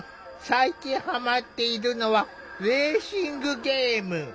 最近ハマっているのはレーシングゲーム。